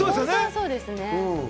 そうですね。